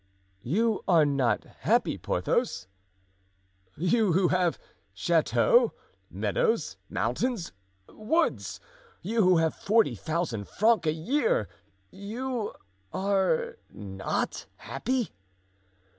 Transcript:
"You are not happy, Porthos? You who have chateau, meadows, mountains, woods—you who have forty thousand francs a year—you—are—not—happy?"